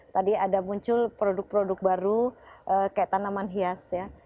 tadi ada muncul produk produk baru kayak tanaman hias ya